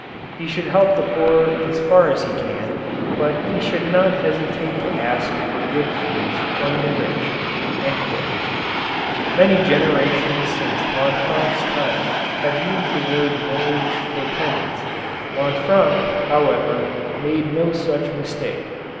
He should help the poor as far as he can, but he should not hesitate to ask for good fees from the rich." Many generations since Lanfranc's time have used the word nerves for tendons. Lanfranc, however, made no such mistake.